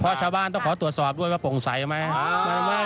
เพราะชาวบ้านต้องขอตรวจสอบด้วยว่าโปร่งใสไหม